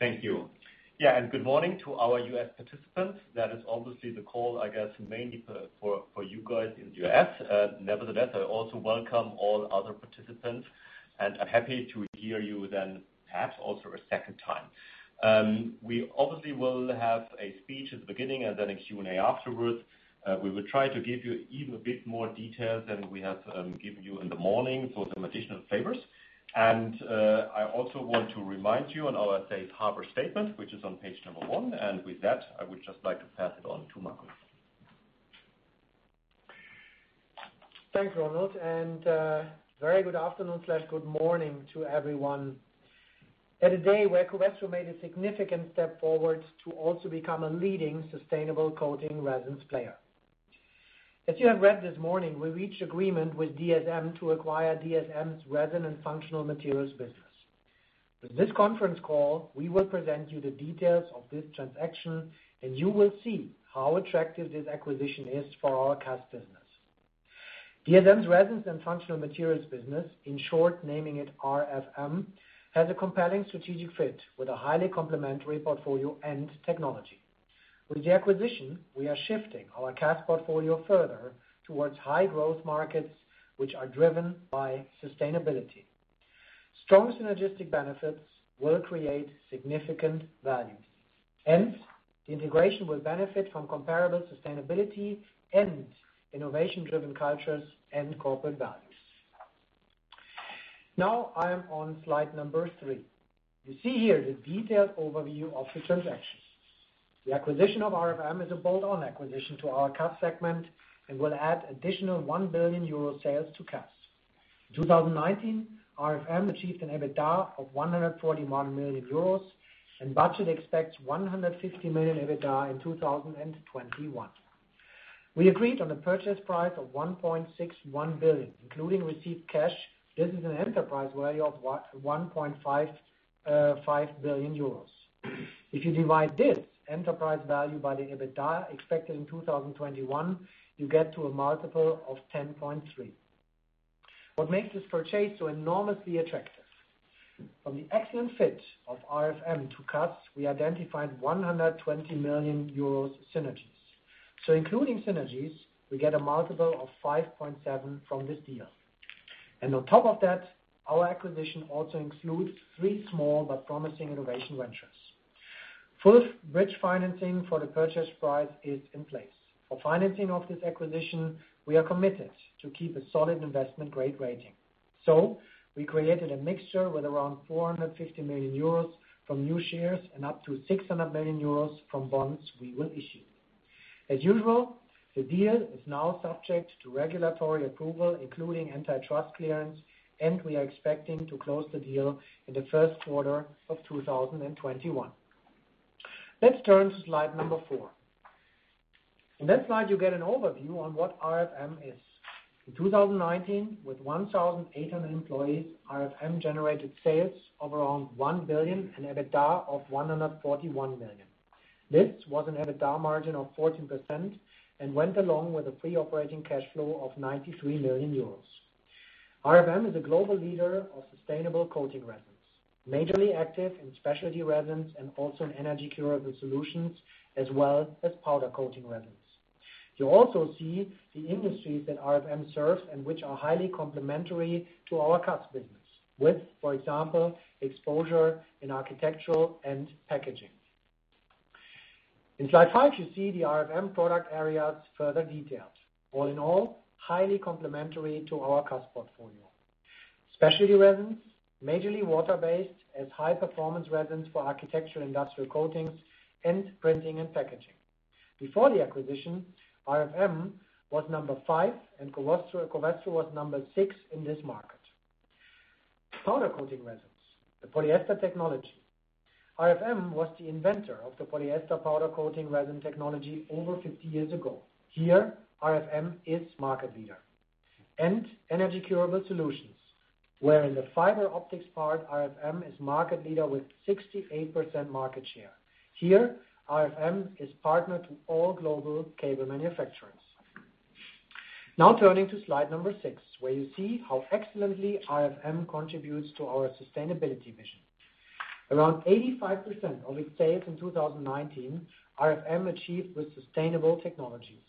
Thank you. Yeah, and good morning to our US participants. That is obviously the call, I guess, mainly for you guys in the US Nevertheless, I also welcome all other participants, and I'm happy to hear you then perhaps also a second time. We obviously will have a speech at the beginning and then a Q&A afterwards. We will try to give you even a bit more details than we have given you in the morning, so some additional favors. And I also want to remind you on our Safe Harbor statement, which is on page number one. And with that, I would just like to pass it on to Markus. Thanks, Ronald. And very good afternoon/good morning to everyone. On a day where Covestro made a significant step forward to also become a leading sustainable coating resins player. As you have read this morning, we reached agreement with DSM to acquire DSM's Resins & Functional Materials business. With this conference call, we will present you the details of this transaction, and you will see how attractive this acquisition is for our CAS business. DSM's Resins & Functional Materials business, in short, naming it RFM, has a compelling strategic fit with a highly complementary portfolio and technology. With the acquisition, we are shifting our CAS portfolio further towards high-growth markets, which are driven by sustainability. Strong synergistic benefits will create significant value, and the integration will benefit from comparable sustainability and innovation-driven cultures and corporate values. Now, I am on slide number three. You see here the detailed overview of the transaction. The acquisition of RFM is a bolt-on acquisition to our CAS segment and will add additional €1 billion sales to CAS. In 2019, RFM achieved an EBITDA of €141 million and budget expects €150 million EBITDA in 2021. We agreed on a purchase price of €1.61 billion, including received cash. This is an enterprise value of €1.55 billion. If you divide this enterprise value by the EBITDA expected in 2021, you get to a multiple of 10.3. What makes this purchase so enormously attractive? From the excellent fit of RFM to CAS, we identified €120 million synergies. So, including synergies, we get a multiple of 5.7 from this deal. And on top of that, our acquisition also includes three small but promising innovation ventures. Full bridge financing for the purchase price is in place. For financing of this acquisition, we are committed to keep a solid investment-grade rating. So, we created a mixture with around €450 million from new shares and up to €600 million from bonds we will issue. As usual, the deal is now subject to regulatory approval, including antitrust clearance, and we are expecting to close the deal in the first quarter of 2021. Let's turn to slide number four. In that slide, you get an overview on what RFM is. In 2019, with 1,800 employees, RFM generated sales of around €1 billion and EBITDA of €141 million. This was an EBITDA margin of 14% and went along with a pre-operating cash flow of €93 million. RFM is a global leader of sustainable coating resins, majorly active in Specialty Resins and also in Energy Curable Solutions, as well as Powder Coating Resins. You also see the industries that RFM serves and which are highly complementary to our CAS business, with, for example, exposure in architectural and packaging. In slide five, you see the RFM product areas further detailed. All in all, highly complementary to our CAS portfolio. Specialty Resins, majorly water-based, as high-performance resins for architectural industrial coatings and printing and packaging. Before the acquisition, RFM was number five, and Covestro was number six in this market. Powder Coating resins, the polyester technology. RFM was the inventor of the polyester powder coating resin technology over 50 years ago. Here, RFM is market leader, and Energy-Curable Solutions, where in the fiber optics part, RFM is market leader with 68% market share. Here, RFM is partnered to all global cable manufacturers. Now, turning to slide number six, where you see how excellently RFM contributes to our sustainability vision. Around 85% of its sales in 2019, RFM achieved with sustainable technologies.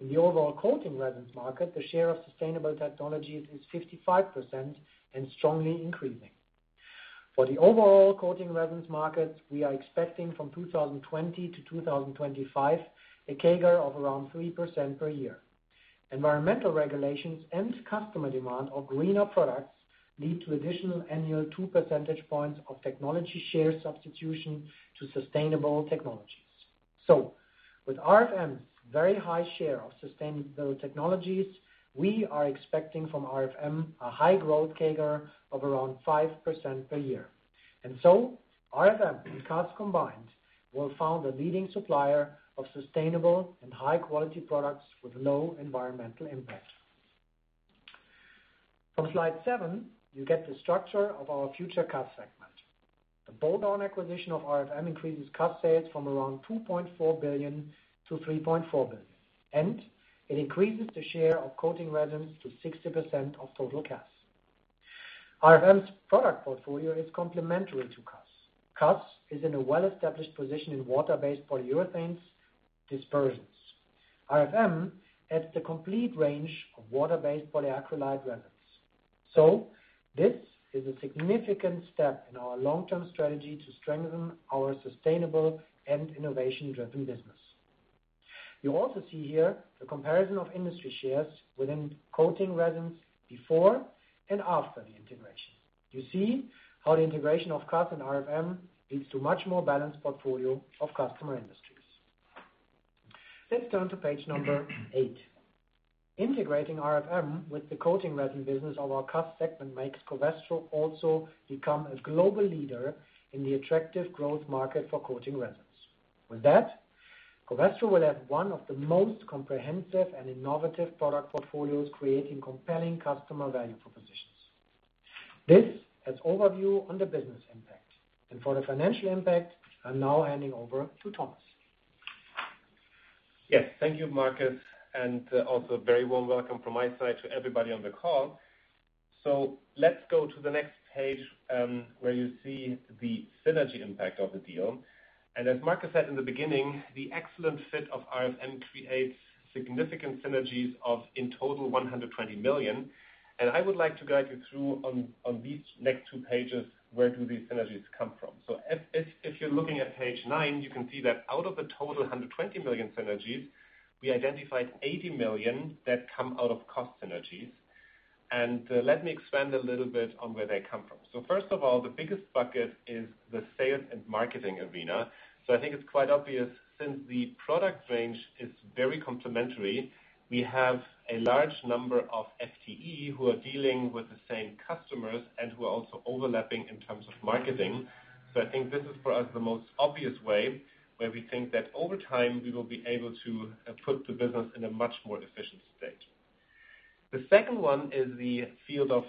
In the overall coating resins market, the share of sustainable technologies is 55% and strongly increasing. For the overall coating resins markets, we are expecting from 2020-2025 a CAGR of around 3% per year. Environmental regulations and customer demand of greener products lead to additional annual 2 percentage points of technology share substitution to sustainable technologies. So, with RFM's very high share of sustainable technologies, we are expecting from RFM a high-growth CAGR of around 5% per year. And so, RFM and CAS combined will form a leading supplier of sustainable and high-quality products with low environmental impact. From slide seven, you get the structure of our future CAS segment. The bolt-on acquisition of RFM increases CAS sales from around €2.4 billion to €3.4 billion, and it increases the share of coating resins to 60% of total CAS. RFM's product portfolio is complementary to CAS. CAS is in a well-established position in water-based polyurethane dispersions. RFM adds the complete range of water-based polyacrylate resins. So, this is a significant step in our long-term strategy to strengthen our sustainable and innovation-driven business. You also see here the comparison of industry shares within coating resins before and after the integration. You see how the integration of CAS and RFM leads to a much more balanced portfolio of customer industries. Let's turn to page number eight. Integrating RFM with the coating resin business of our CAS segment makes Covestro also become a global leader in the attractive growth market for coating resins. With that, Covestro will have one of the most comprehensive and innovative product portfolios, creating compelling customer value propositions. This has an overview on the business impact. For the financial impact, I'm now handing over to Thomas. Yes, thank you, Markus. And also a very warm welcome from my side to everybody on the call. So, let's go to the next page, where you see the synergy impact of the deal. And as Markus said in the beginning, the excellent fit of RFM creates significant synergies of, in total, €120 million. And I would like to guide you through on these next two pages, where do these synergies come from? So, if you're looking at page nine, you can see that out of the total €120 million synergies, we identified €80 million that come out of cost synergies. And, let me expand a little bit on where they come from. So, first of all, the biggest bucket is the sales and marketing arena. So, I think it's quite obvious since the product range is very complementary. We have a large number of FTEs who are dealing with the same customers and who are also overlapping in terms of marketing. So, I think this is for us the most obvious way where we think that over time, we will be able to put the business in a much more efficient state. The second one is the field of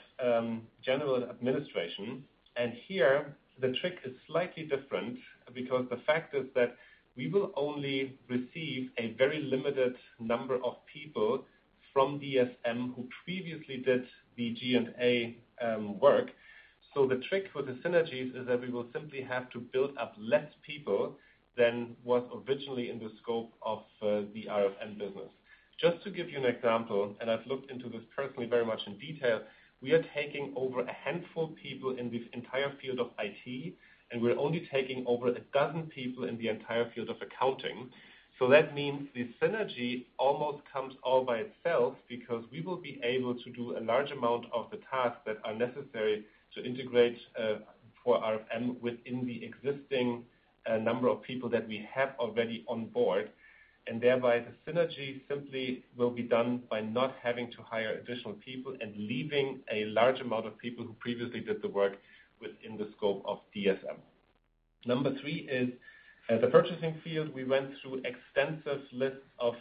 general administration. And here, the trick is slightly different because the fact is that we will only receive a very limited number of people from DSM who previously did the G&A work. So, the trick with the synergies is that we will simply have to build up less people than was originally in the scope of the RFM business. Just to give you an example, and I've looked into this personally very much in detail, we are taking over a handful of people in this entire field of IT, and we're only taking over a dozen people in the entire field of accounting. So, that means the synergy almost comes all by itself because we will be able to do a large amount of the tasks that are necessary to integrate for RFM within the existing number of people that we have already on board. And thereby, the synergy simply will be done by not having to hire additional people and leaving a large amount of people who previously did the work within the scope of DSM. Number three is, as a purchasing field, we went through extensive lists of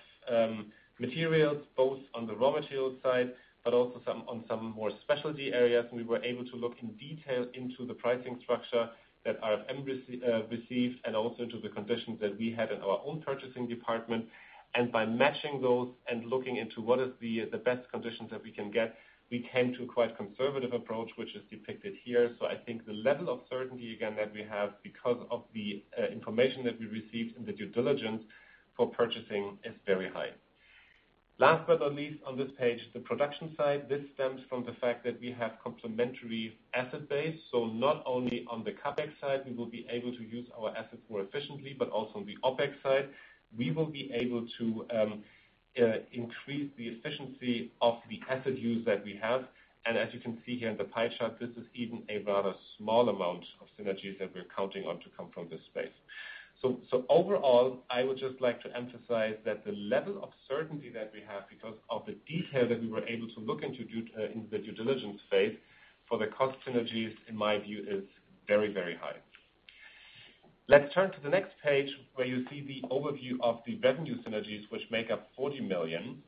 materials both on the raw material side but also some on some more specialty areas. We were able to look in detail into the pricing structure that RFM received and also into the conditions that we had in our own purchasing department. And by matching those and looking into what is the best conditions that we can get, we came to a quite conservative approach, which is depicted here. So, I think the level of certainty, again, that we have because of the information that we received in the due diligence for purchasing is very high. Last but not least, on this page, the production side, this stems from the fact that we have complementary asset base. So, not only on the CapEx side, we will be able to use our assets more efficiently, but also on the OpEx side, we will be able to increase the efficiency of the asset use that we have. As you can see here in the pie chart, this is even a rather small amount of synergies that we're counting on to come from this space. So overall, I would just like to emphasize that the level of certainty that we have because of the detail that we were able to look into due, in the due diligence phase for the cost synergies, in my view, is very, very high. Let's turn to the next page where you see the overview of the revenue synergies, which make up €40 million.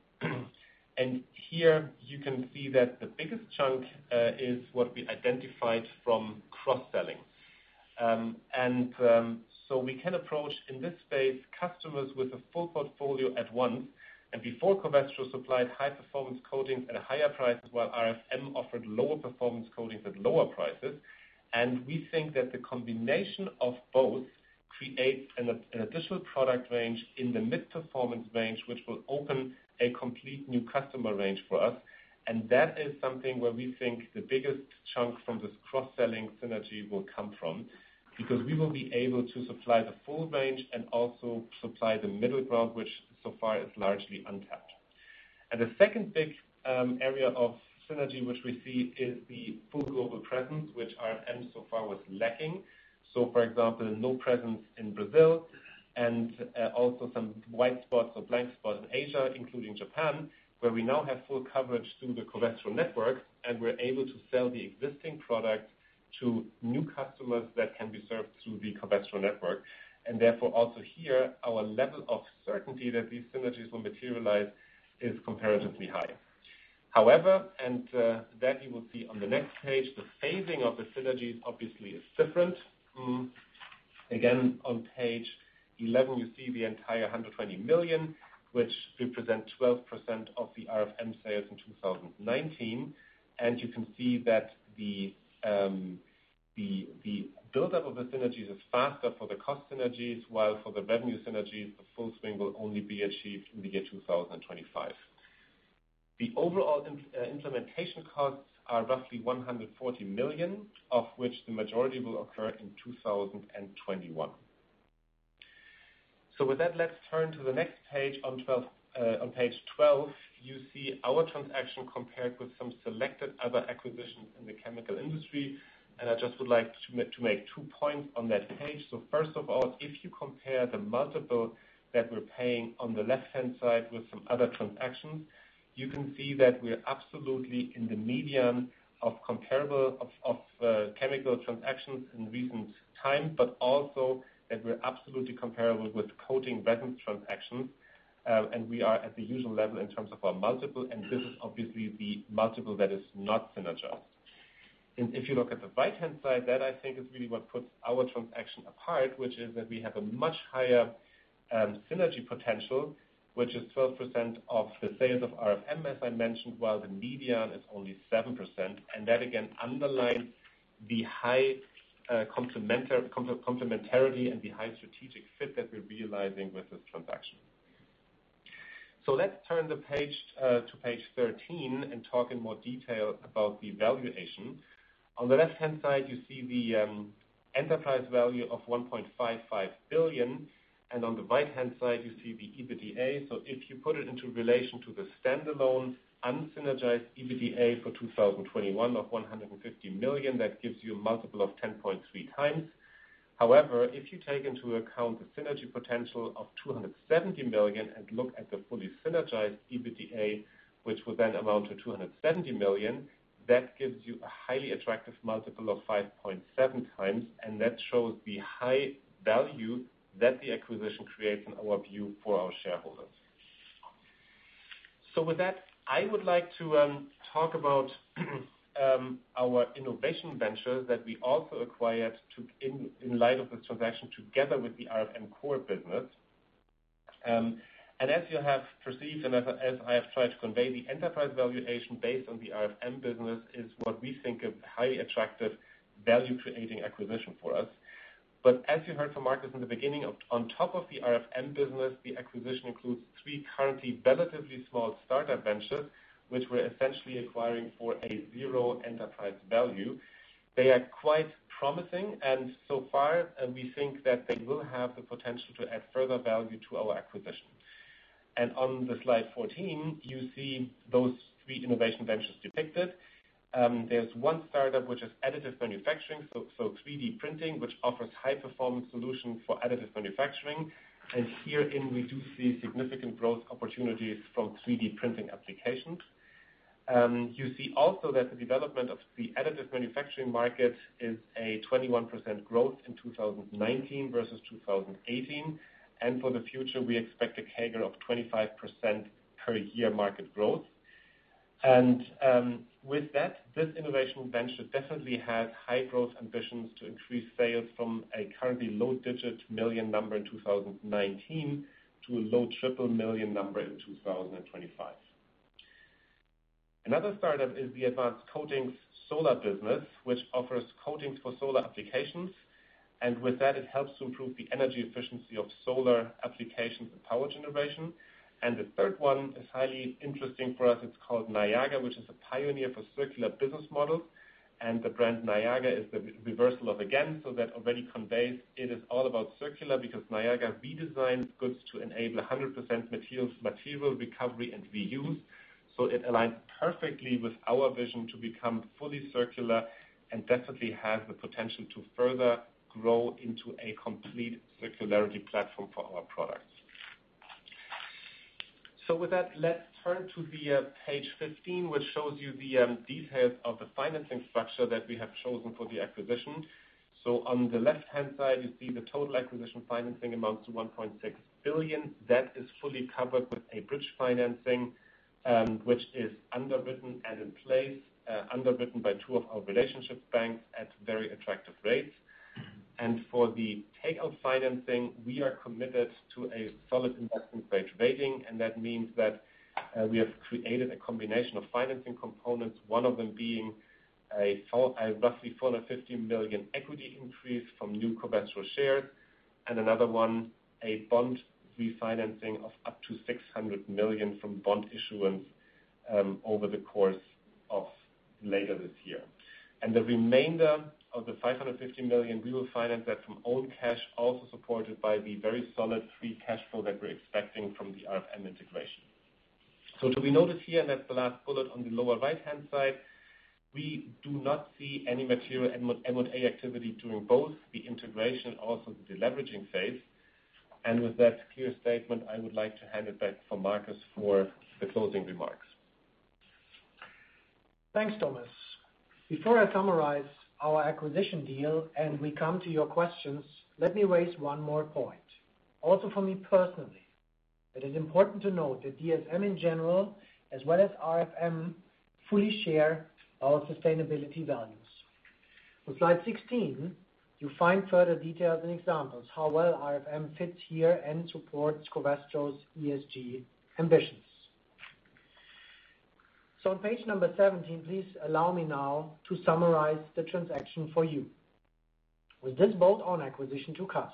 And here, you can see that the biggest chunk is what we identified from cross-selling. And so we can approach in this space customers with a full portfolio at once. And before, Covestro supplied high-performance coatings at a higher price, while RFM offered lower-performance coatings at lower prices. And we think that the combination of both creates an additional product range in the mid-performance range, which will open a complete new customer range for us. And that is something where we think the biggest chunk from this cross-selling synergy will come from because we will be able to supply the full range and also supply the middle ground, which so far is largely untapped. And the second big area of synergy which we see is the full global presence, which RFM so far was lacking. So, for example, no presence in Brazil and also some white spots or blank spots in Asia, including Japan, where we now have full coverage through the Covestro network, and we're able to sell the existing product to new customers that can be served through the Covestro network. And therefore, also here, our level of certainty that these synergies will materialize is comparatively high. However, that you will see on the next page, the phasing of the synergies obviously is different. Again, on page 11, you see the entire €120 million, which represents 12% of the RFM sales in 2019. And you can see that the buildup of the synergies is faster for the cost synergies, while for the revenue synergies, the full swing will only be achieved in the year 2025. The overall implementation costs are roughly €140 million, of which the majority will occur in 2021. So, with that, let's turn to the next page. On page 12, you see our transaction compared with some selected other acquisitions in the chemical industry. And I just would like to make two points on that page. So, first of all, if you compare the multiple that we're paying on the left-hand side with some other transactions, you can see that we're absolutely in the median of comparable chemical transactions in recent time, but also that we're absolutely comparable with coating resins transactions. And we are at the usual level in terms of our multiple. And this is obviously the multiple that is not synergized. And if you look at the right-hand side, that I think is really what puts our transaction apart, which is that we have a much higher synergy potential, which is 12% of the sales of RFM, as I mentioned, while the median is only 7%. And that, again, underlines the high complementarity and the high strategic fit that we're realizing with this transaction. So, let's turn the page, to page 13 and talk in more detail about the valuation. On the left-hand side, you see the enterprise value of €1.55 billion, and on the right-hand side, you see the EBITDA. So if you put it into relation to the standalone unsynergized EBITDA for 2021 of €150 million, that gives you a multiple of 10.3x. However, if you take into account the synergy potential of 270 million and look at the fully synergized EBITDA, which would then amount to €270 million, that gives you a highly attractive multiple of 5.7x, and that shows the high value that the acquisition creates in our view for our shareholders. So with that, I would like to talk about our innovation venture that we also acquired in light of this transaction together with the RFM core business. And as you have perceived, and as I have tried to convey, the enterprise valuation based on the RFM business is what we think a highly attractive value-creating acquisition for us. But as you heard from Markus in the beginning, on top of the RFM business, the acquisition includes three currently relatively small startup ventures, which we're essentially acquiring for a zero enterprise value. They are quite promising. And so far, we think that they will have the potential to add further value to our acquisition. And on the slide 14, you see those three innovation ventures depicted. There's one startup, which is Additive Manufacturing, so3D printing, which offers high-performance solutions for Additive Manufacturing. And here, we do see significant growth opportunities from 3D printing applications. You see also that the development of the Additive Manufacturing market is a 21% growth in 2019 versus 2018. For the future, we expect a CAGR of 25% per year market growth. With that, this innovation venture definitely has high-growth ambitions to increase sales from a currently low-digit million number in 2019 to a low-triple million number in 2025. Another startup is the advanced coatings solar business, which offers coatings for solar applications. With that, it helps to improve the energy efficiency of solar applications and power generation. The third one is highly interesting for us. It's called Niaga, which is a pioneer for circular business models. The brand Niaga is the reversal of again. That already conveys it is all about circular because Niaga redesigns goods to enable 100% materials, material recovery, and reuse. It aligns perfectly with our vision to become fully circular and definitely has the potential to further grow into a complete circularity platform for our products. With that, let's turn to page 15, which shows you the details of the financing structure that we have chosen for the acquisition. On the left-hand side, you see the total acquisition financing amounts to 1.6 billion. That is fully covered with a bridge financing, which is underwritten and in place, underwritten by two of our relationship banks at very attractive rates. For the takeout financing, we are committed to a solid investment-grade rating. That means that we have created a combination of financing components, one of them being a roughly 450 million equity increase from new Covestro shares and another one, a bond refinancing of up to 600 million from bond issuance, over the course of later this year. And the remainder of the 550 million, we will finance that from own cash, also supported by the very solid free cash flow that we're expecting from the RFM integration. So, to be noted here in that last bullet on the lower right-hand side, we do not see any material M&A activity during both the integration and also the deleveraging phase. And with that clear statement, I would like to hand it back to Markus for the closing remarks. Thanks, Thomas. Before I summarize our acquisition deal and we come to your questions, let me raise one more point. Also, for me personally, it is important to note that DSM in general, as well as RFM, fully share our sustainability values. On slide 16, you find further details and examples how well RFM fits here and supports Covestro's ESG ambitions. So, on page number 17, please allow me now to summarize the transaction for you. With this bolt-on acquisition to CAS,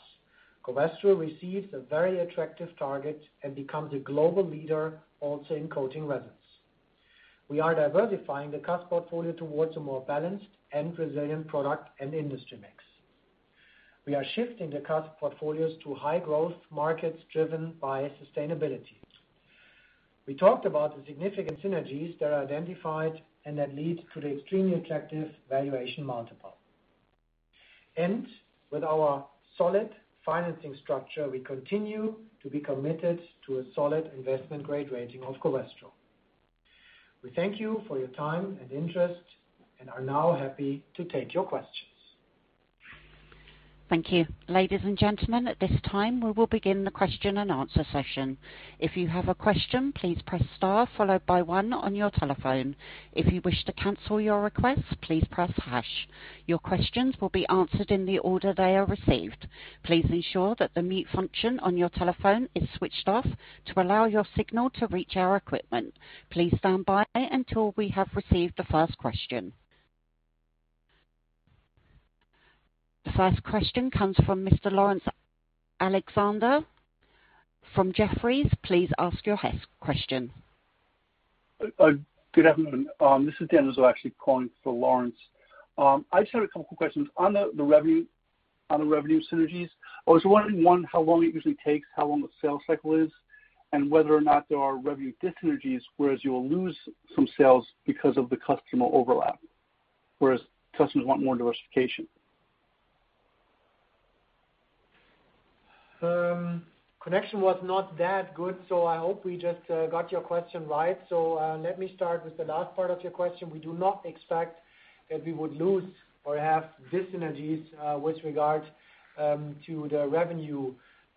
Covestro receives a very attractive target and becomes a global leader, also in coating resins. We are diversifying the CAS portfolio towards a more balanced and resilient product and industry mix. We are shifting the CAS portfolios to high-growth markets driven by sustainability. We talked about the significant synergies that are identified and that lead to the extremely attractive valuation multiple. With our solid financing structure, we continue to be committed to a solid investment-grade rating of Covestro. We thank you for your time and interest and are now happy to take your questions. Thank you. Ladies and gentlemen, at this time, we will begin the question and answer session. If you have a question, please press star followed by one on your telephone. If you wish to cancel your request, please press hash. Your questions will be answered in the order they are received. Please ensure that the mute function on your telephone is switched off to allow your signal to reach our equipment. Please stand by until we have received the first question. The first question comes from Mr. Laurence Alexander from Jefferies. Please ask your question. Good afternoon. This is Dan Rizzo actually calling for Laurence. I just have a couple of questions on the, the revenue, on the revenue synergies. I was wondering one, how long it usually takes, how long the sales cycle is, and whether or not there are revenue dis-synergies, whereas you will lose some sales because of the customer overlap, whereas customers want more diversification? Connection was not that good, so I hope we just got your question right. Let me start with the last part of your question. We do not expect that we would lose or have dis-synergies with regard to the revenue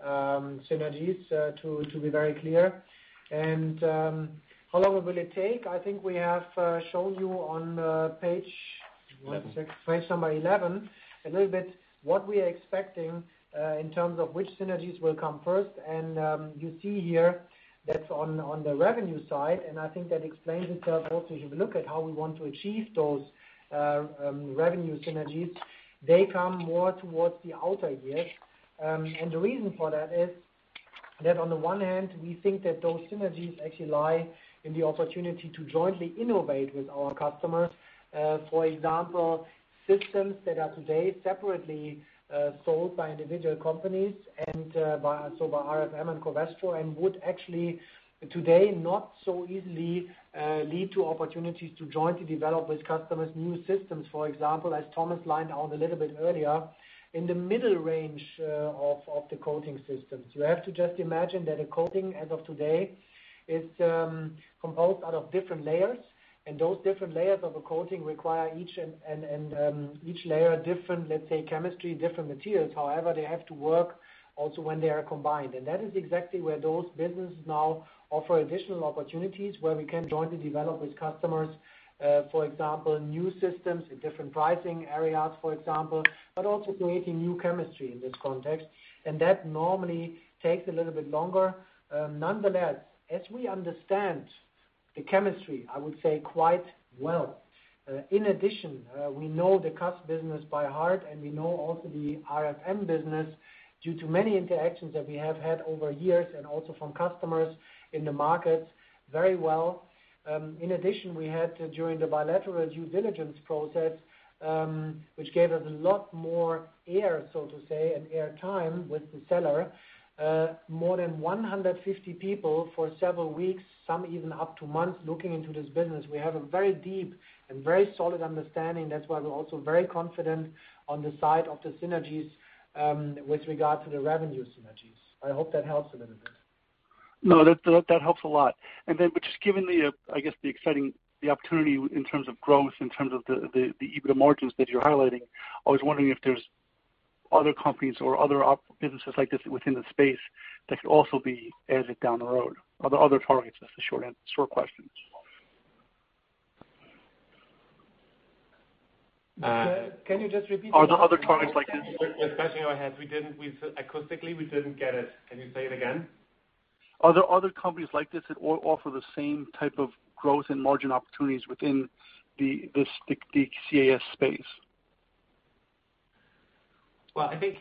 synergies, to be very clear. How long will it take? I think we have shown you on page, let's check, page number 11, a little bit what we are expecting in terms of which synergies will come first. You see here that's on the revenue side. I think that explains itself also if you look at how we want to achieve those revenue synergies. They come more towards the outer years. The reason for that is that on the one hand, we think that those synergies actually lie in the opportunity to jointly innovate with our customers. For example, systems that are today separately sold by individual companies and by RFM and Covestro would actually today not so easily lead to opportunities to jointly develop with customers new systems, for example, as Thomas laid out a little bit earlier, in the middle range of the coating systems. You have to just imagine that a coating as of today is composed out of different layers. And those different layers of a coating require each and each layer different, let's say, chemistry, different materials. However, they have to work also when they are combined. And that is exactly where those businesses now offer additional opportunities where we can jointly develop with customers, for example, new systems in different pricing areas, for example, but also creating new chemistry in this context. And that normally takes a little bit longer. Nonetheless, as we understand the chemistry, I would say quite well. In addition, we know the CAS business by heart, and we know also the RFM business due to many interactions that we have had over years and also from customers in the markets very well. In addition, we had, during the bilateral due diligence process, which gave us a lot more air, so to say, and air time with the seller, more than 150 people for several weeks, some even up to months, looking into this business. We have a very deep and very solid understanding. That's why we're also very confident on the side of the synergies, with regard to the revenue synergies. I hope that helps a little bit. No, that helps a lot. And then, but just given the, I guess, the exciting opportunity in terms of growth, in terms of the EBITDA margins that you're highlighting, I was wondering if there's other companies or other op businesses like this within the space that could also be added down the road. Are there other targets? That's the short end, short question. Can you just repeat that? Are there other targets like this? We're scratching our heads. We didn't catch it. Acoustically, we didn't get it. Can you say it again? Are there other companies like this that offer the same type of growth and margin opportunities within the CAS space? I think,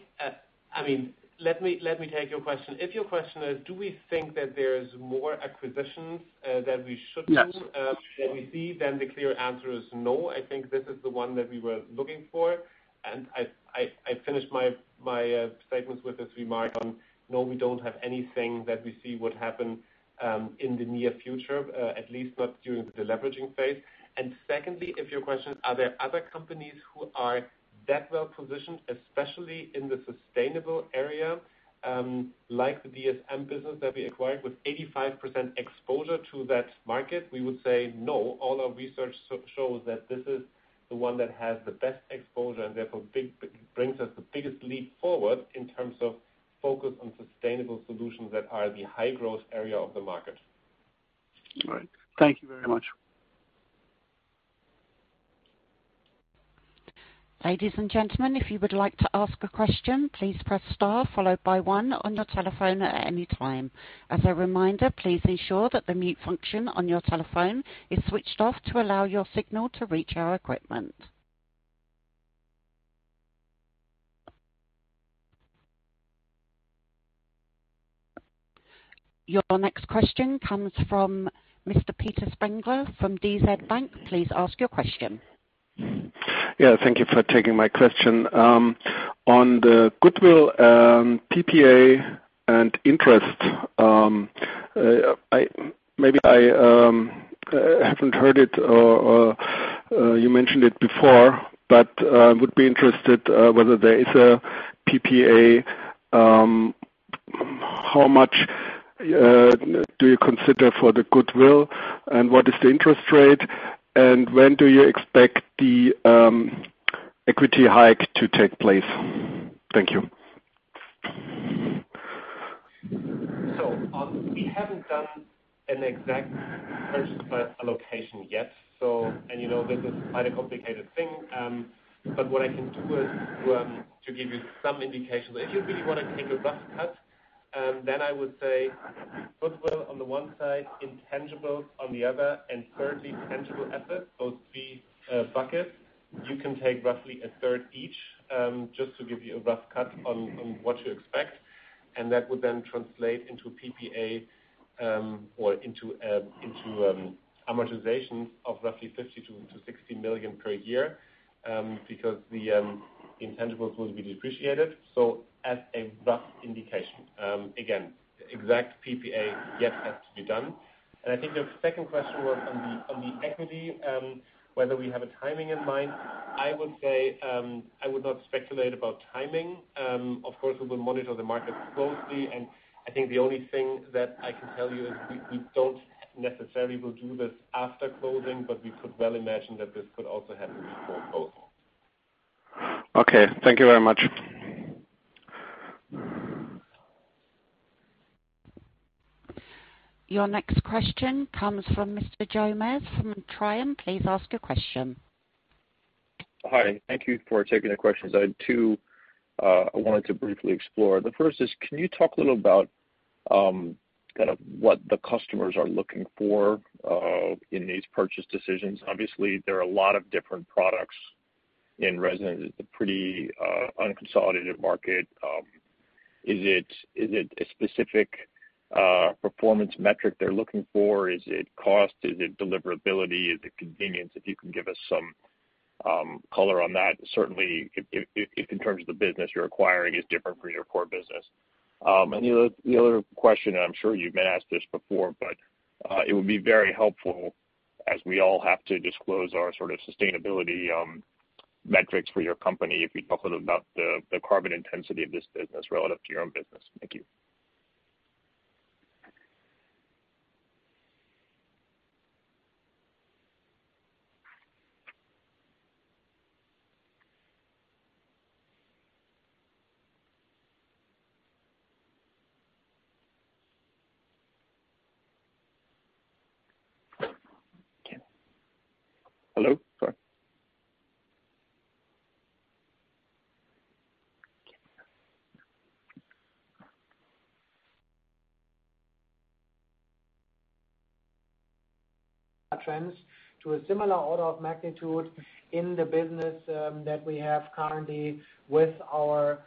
I mean, let me, let me take your question. If your question is, do we think that there's more acquisitions, that we should do? Yes. That we see, then the clear answer is no. I think this is the one that we were looking for. And I finished my statements with this remark on, no, we don't have anything that we see would happen, in the near future, at least not during the deleveraging phase. And secondly, if your question is, are there other companies who are that well positioned, especially in the sustainable area, like the DSM business that we acquired with 85% exposure to that market? We would say no. All our research shows that this is the one that has the best exposure and therefore brings us the biggest leap forward in terms of focus on sustainable solutions that are the high-growth area of the market. All right. Thank you very much. Ladies and gentlemen, if you would like to ask a question, please press star followed by one on your telephone at any time. As a reminder, please ensure that the mute function on your telephone is switched off to allow your signal to reach our equipment. Your next question comes from Mr. Peter Spengler from DZ Bank. Please ask your question. Yeah. Thank you for taking my question. On the goodwill, PPA and interest, I maybe haven't heard it or you mentioned it before, but would be interested whether there is a PPA, how much do you consider for the goodwill, and what is the interest rate, and when do you expect the equity hike to take place? Thank you. We haven't done an exact first-pass allocation yet, and you know, this is quite a complicated thing, but what I can do is to give you some indications. If you really want to take a rough cut, then I would say goodwill on the one side, intangibles on the other, and thirdly, tangible assets, those three buckets, you can take roughly a third each, just to give you a rough cut on what you expect, and that would then translate into PPA or into amortizations of roughly 50-60 million per year, because the intangibles will be depreciated, so as a rough indication, again, exact PPA yet has to be done. I think the second question was on the equity, whether we have a timing in mind. I would say I would not speculate about timing. Of course, we will monitor the market closely. I think the only thing that I can tell you is we, we don't necessarily will do this after closing, but we could well imagine that this could also happen before closing. Okay. Thank you very much. Your next question comes from Mr. Joe Mares from Trium. Please ask your question. Hi. Thank you for taking the questions. I had two I wanted to briefly explore. The first is, can you talk a little about kind of what the customers are looking for in these purchase decisions? Obviously, there are a lot of different products in resin. It's a pretty unconsolidated market. Is it a specific performance metric they're looking for? Is it cost? Is it deliverability? Is it convenience? If you can give us some color on that, certainly if in terms of the business you're acquiring is different from your core business. And the other question, and I'm sure you've been asked this before, but it would be very helpful as we all have to disclose our sort of sustainability metrics for your company if you talk a little about the carbon intensity of this business relative to your own business. Thank you. Hello? Sorry. Trends to a similar order of magnitude in the business that we have currently with our,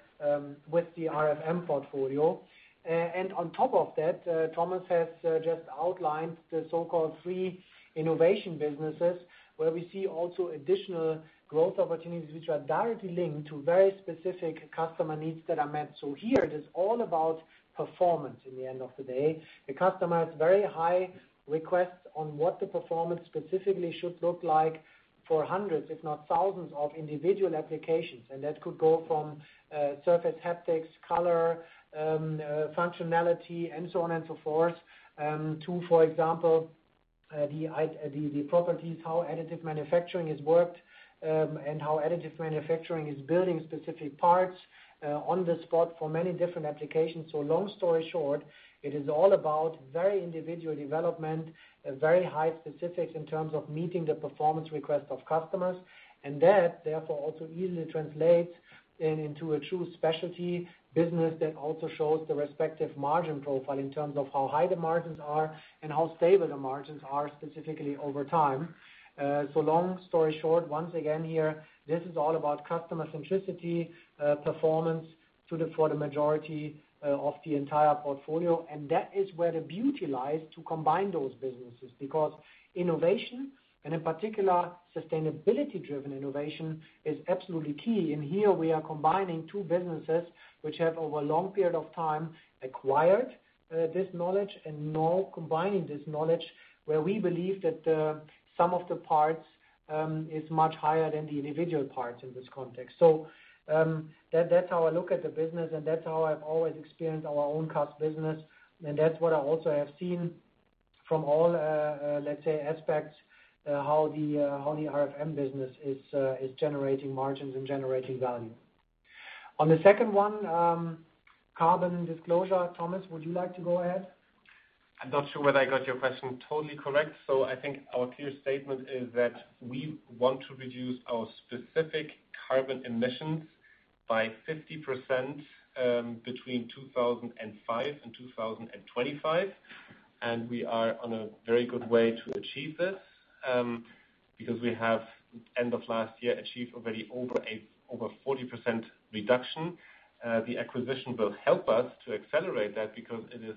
with the RFM portfolio, and on top of that, Thomas has just outlined the so-called three innovation businesses where we see also additional growth opportunities which are directly linked to very specific customer needs that are met, so here it is all about performance in the end of the day. The customer has very high requests on what the performance specifically should look like for hundreds, if not thousands, of individual applications, and that could go from surface haptics, color, functionality, and so on and so forth to, for example, the properties, how Additive Manufacturing has worked, and how Additive Manufacturing is building specific parts on the spot for many different applications. So long story short, it is all about very individual development, very high specifics in terms of meeting the performance request of customers. And that, therefore, also easily translates into a true specialty business that also shows the respective margin profile in terms of how high the margins are and how stable the margins are specifically over time. So long story short, once again here, this is all about customer centricity, performance to the, for the majority, of the entire portfolio. And that is where the beauty lies to combine those businesses because innovation, and in particular, sustainability-driven innovation is absolutely key. And here, we are combining two businesses which have over a long period of time acquired, this knowledge and now combining this knowledge where we believe that, some of the parts, is much higher than the individual parts in this context. That's how I look at the business, and that's how I've always experienced our own CAS business. That's what I also have seen from all, let's say, aspects, how the RFM business is generating margins and generating value. On the second one, carbon disclosure, Thomas, would you like to go ahead? I'm not sure whether I got your question totally correct, so I think our clear statement is that we want to reduce our specific carbon emissions by 50%, between 2005 and 2025, and we are on a very good way to achieve this, because we have, end of last year, achieved already over 40% reduction. The acquisition will help us to accelerate that because it is,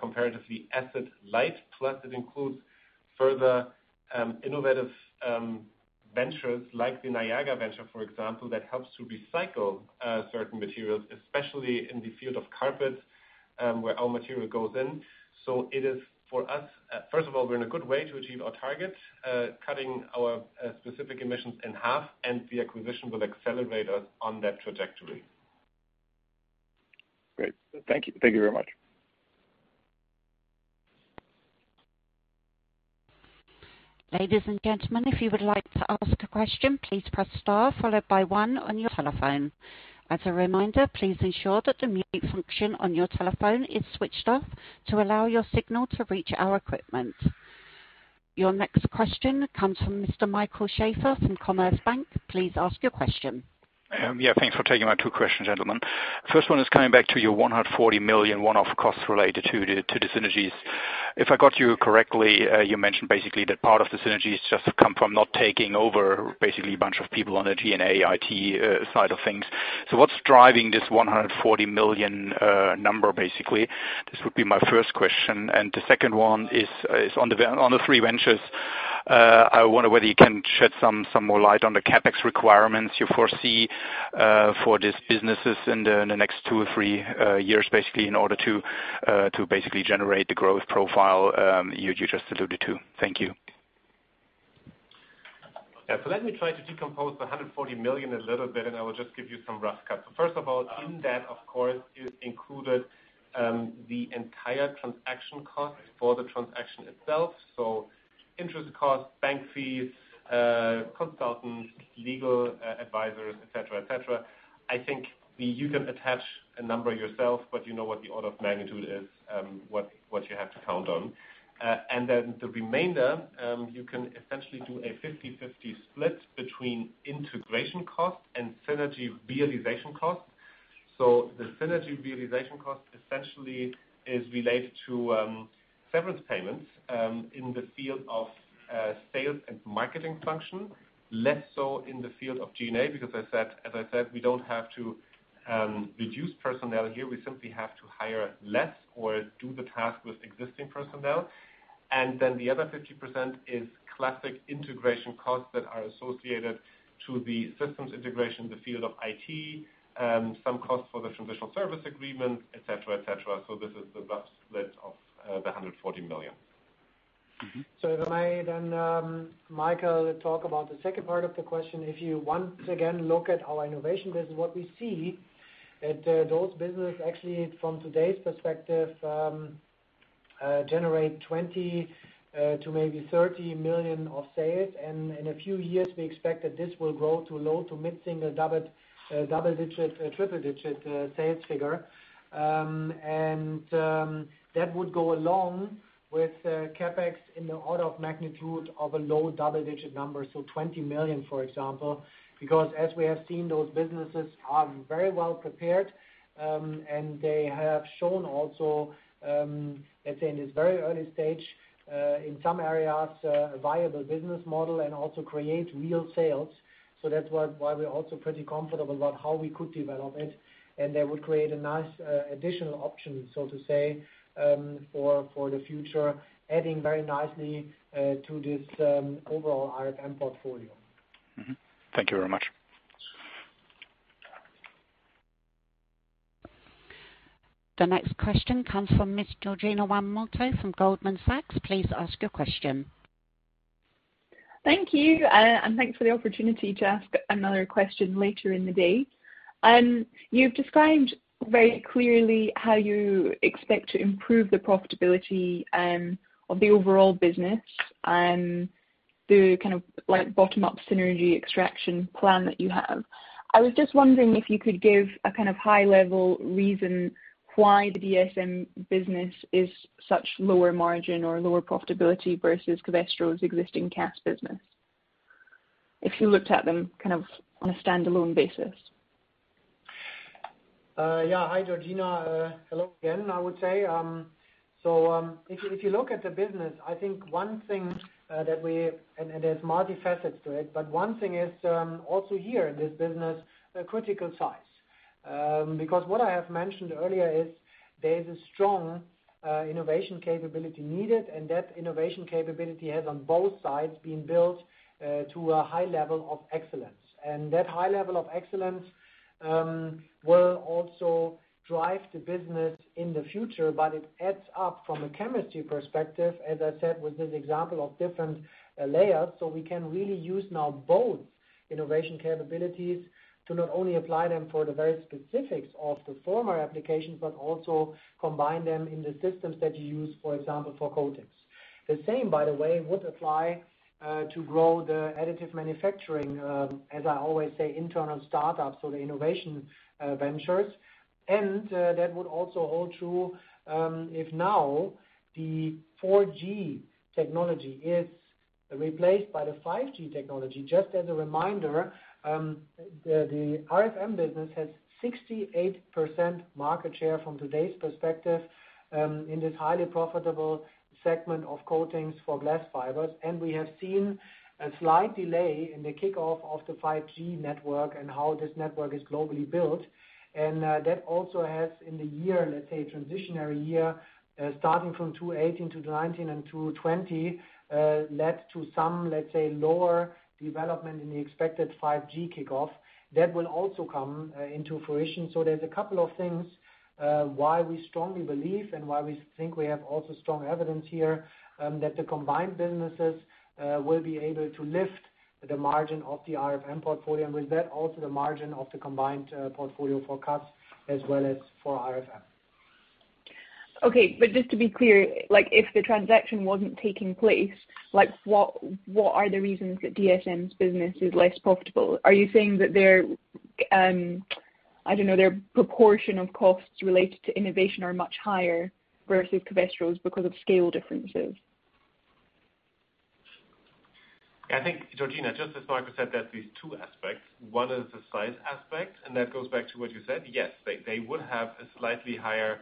comparatively asset-light, plus it includes further, innovative, ventures like the Niaga venture, for example, that helps to recycle, certain materials, especially in the field of carpets, where all material goes in, so it is, for us, first of all, we're in a good way to achieve our target, cutting our, specific emissions in half, and the acquisition will accelerate us on that trajectory. Great. Thank you. Thank you very much. Ladies and gentlemen, if you would like to ask a question, please press star followed by one on your telephone. As a reminder, please ensure that the mute function on your telephone is switched off to allow your signal to reach our equipment. Your next question comes from Mr. Michael Schäfer from Commerzbank. Please ask your question. Yeah, thanks for taking my two questions, gentlemen. First one is coming back to your 140 million one-off costs related to the synergies. If I got you correctly, you mentioned basically that part of the synergies just come from not taking over basically a bunch of people on the G&A, IT side of things. So what's driving this 140 million number basically? This would be my first question. And the second one is on the three ventures. I wonder whether you can shed some more light on the CapEx requirements you foresee for these businesses in the next two or three years basically in order to basically generate the growth profile you just alluded to. Thank you. Yeah. So let me try to decompose the 140 million a little bit, and I will just give you some rough cuts. So first of all, in that, of course, is included the entire transaction cost for the transaction itself. So interest costs, bank fees, consultants, legal, advisors, etc., etc. I think you can attach a number yourself, but you know what the order of magnitude is, what, what you have to count on, and then the remainder, you can essentially do a 50/50 split between integration cost and synergy realization cost. So the synergy realization cost essentially is related to severance payments, in the field of sales and marketing function, less so in the field of G&A because I said, as I said, we don't have to reduce personnel here. We simply have to hire less or do the task with existing personnel. And then the other 50% is classic integration costs that are associated to the systems integration in the field of IT, some costs for the transitional service agreement, etc., etc. So this is the rough split of the 140 million. Mm-hmm. So if I may then, Michael, talk about the second part of the question, if you once again look at our innovation business, what we see that, those businesses actually from today's perspective, generate 20-30 million of sales. In a few years, we expect that this will grow to low to mid-single double, double-digit, triple-digit sales figure, and that would go along with CapEx in the order of magnitude of a low double-digit number, so 20 million, for example, because as we have seen, those businesses are very well prepared, and they have shown also, let's say in this very early stage, in some areas, a viable business model and also create real sales. That's why we're also pretty comfortable about how we could develop it. That would create a nice, additional option, so to say, for the future, adding very nicely to this overall RFM portfolio. Mm-hmm. Thank you very much. The next question comes from Ms. Georgina Iwamoto from Goldman Sachs. Please ask your question. Thank you. And thanks for the opportunity to ask another question later in the day. You've described very clearly how you expect to improve the profitability of the overall business and the kind of, like, bottom-up synergy extraction plan that you have. I was just wondering if you could give a kind of high-level reason why the DSM business is such lower margin or lower profitability versus Covestro's existing CAS business, if you looked at them kind of on a standalone basis? Yeah. Hi, Georgina. Hello again, I would say, so if you look at the business, I think one thing that we, and there's multifaceted to it, but one thing is also here in this business: critical size. Because what I have mentioned earlier is there is a strong innovation capability needed, and that innovation capability has on both sides been built to a high level of excellence, and that high level of excellence will also drive the business in the future, but it adds up from a chemistry perspective, as I said, with this example of different layers, so we can really use now both innovation capabilities to not only apply them for the very specifics of the former applications, but also combine them in the systems that you use, for example, for coatings. The same, by the way, would apply to grow the Additive Manufacturing, as I always say, internal startups, so the innovation ventures. That would also hold true if now the 4G technology is replaced by the 5G technology. Just as a reminder, the RFM business has 68% market share from today's perspective in this highly profitable segment of coatings for glass fibers. We have seen a slight delay in the kickoff of the 5G network and how this network is globally built. That also has in the year, let's say, transitionary year, starting from 2018 to 2019 and 2020, led to some, let's say, lower development in the expected 5G kickoff. That will also come into fruition. So there's a couple of things, why we strongly believe and why we think we have also strong evidence here, that the combined businesses will be able to lift the margin of the RFM portfolio and with that also the margin of the combined portfolio for CAS as well as for RFM. Okay. But just to be clear, like, if the transaction wasn't taking place, like, what, what are the reasons that DSM's business is less profitable? Are you saying that their, I don't know, their proportion of costs related to innovation are much higher versus Covestro's because of scale differences? Yeah. I think, Georgina, just as Markus said, there's these two aspects. One is the size aspect, and that goes back to what you said. Yes, they would have a slightly higher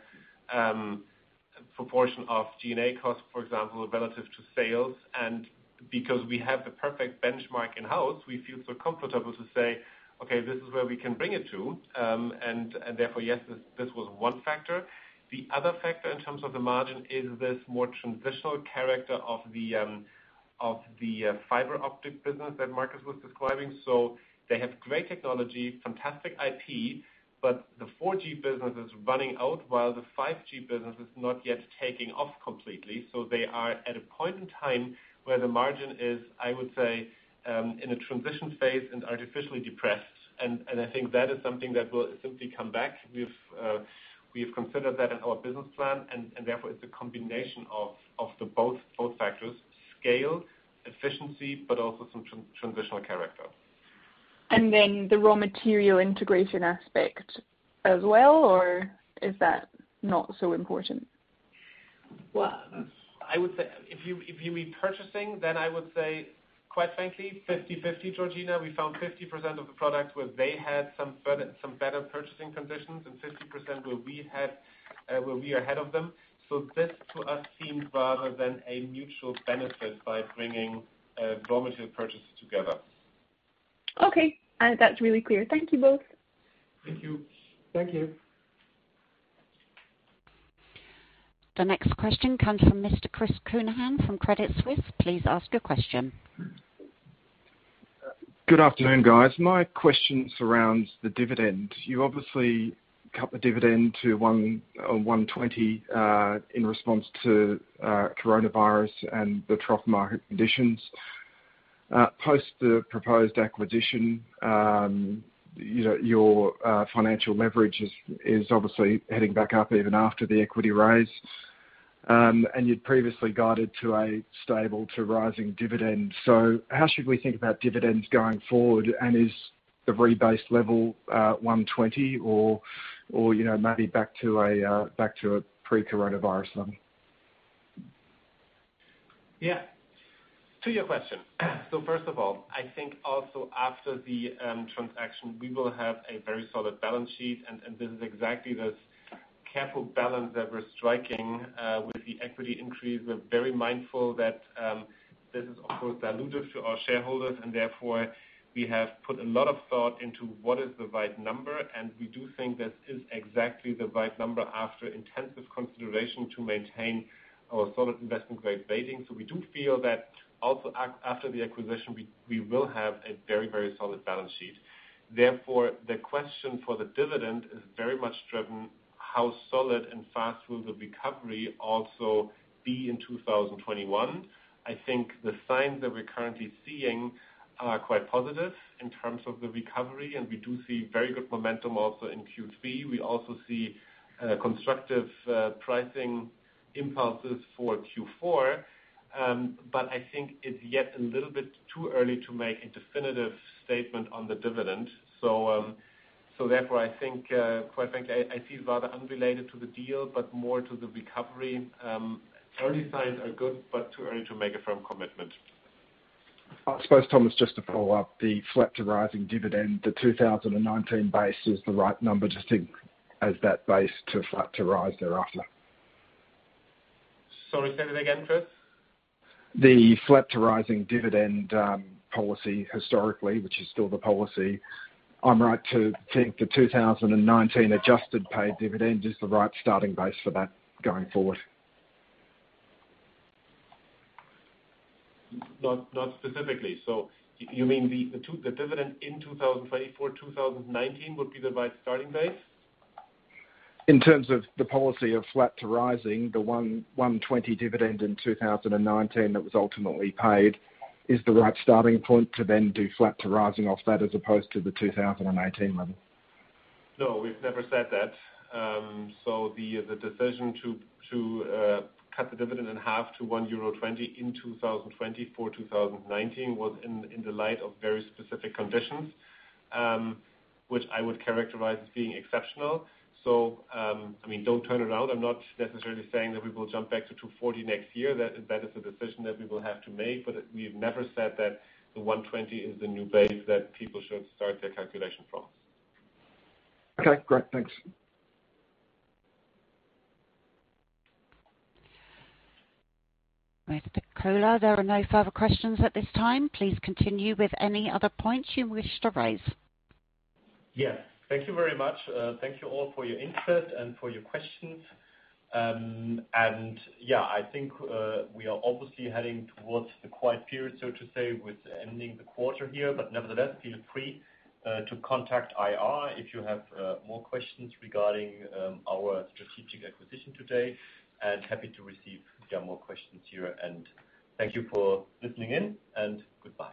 proportion of G&A cost, for example, relative to sales. And because we have the perfect benchmark in-house, we feel so comfortable to say, "Okay, this is where we can bring it to," and therefore, yes, this was one factor. The other factor in terms of the margin is this more transitional character of the fiber optic business that Markus was describing. So they have great technology, fantastic IP, but the 4G business is running out while the 5G business is not yet taking off completely. So they are at a point in time where the margin is, I would say, in a transition phase and artificially depressed. And I think that is something that will simply come back. We've considered that in our business plan, and therefore, it's a combination of both factors: scale, efficiency, but also some transitional character. And then the raw material integration aspect as well, or is that not so important? I would say if you mean purchasing, then I would say, quite frankly, 50/50, Georgina. We found 50% of the product where they had some further, some better purchasing conditions and 50% where we are ahead of them. So this to us seems rather a mutual benefit by bringing raw material purchases together. Okay. That's really clear. Thank you both. Thank you. Thank you. The next question comes from Mr. Chris Counihan from Credit Suisse. Please ask your question. Good afternoon, guys. My question surrounds the dividend. You obviously cut the dividend to 1.20, in response to coronavirus and the trough market conditions. Post the proposed acquisition, you know, your financial leverage is obviously heading back up even after the equity raise, and you'd previously guided to a stable to rising dividend. So how should we think about dividends going forward? And is the rebase level 1.20 or, you know, maybe back to a pre-coronavirus level? Yeah. To your question. So first of all, I think also after the transaction, we will have a very solid balance sheet. And this is exactly this careful balance that we're striking with the equity increase. We're very mindful that this is, of course, diluted to our shareholders, and therefore we have put a lot of thought into what is the right number. And we do think this is exactly the right number after intensive consideration to maintain our solid investment-grade rating. So we do feel that also after the acquisition, we will have a very, very solid balance sheet. Therefore, the question for the dividend is very much driven how solid and fast will the recovery also be in 2021. I think the signs that we're currently seeing are quite positive in terms of the recovery, and we do see very good momentum also in Q3. We also see constructive pricing impulses for Q4, but I think it's yet a little bit too early to make a definitive statement on the dividend, so therefore I think quite frankly I see it rather unrelated to the deal, but more to the recovery. Early signs are good, but too early to make a firm commitment. I suppose, Thomas, just to follow up, the flat to rising dividend, the 2019 base is the right number to think as that base to flat to rise thereafter. Sorry, say that again, Chris? The flat to rising dividend policy historically, which is still the policy, am I right to think the 2019 adjusted paid dividend is the right starting base for that going forward? Not specifically. So you mean the two, the dividend in 2024, 2019 would be the right starting base? In terms of the policy of flat to rising, the 1.20 dividend in 2019 that was ultimately paid is the right starting point to then do flat to rising off that as opposed to the 2018 level? No, we've never said that. So the decision to cut the dividend in half to 1.20 euro in 2020 for 2019 was in the light of very specific conditions, which I would characterize as being exceptional. So, I mean, don't turn around. I'm not necessarily saying that we will jump back to 240 next year. That is a decision that we will have to make, but we've never said that the 120 is the new base that people should start their calculation from. Okay. Great. Thanks. Mr. Köhler, there are no further questions at this time. Please continue with any other points you wish to raise. Yes. Thank you very much. Thank you all for your interest and for your questions. And yeah, I think we are obviously heading towards the quiet period, so to say, with ending the quarter here. But nevertheless, feel free to contact IR if you have more questions regarding our strategic acquisition today. And happy to receive yeah, more questions here. And thank you for listening in and goodbye.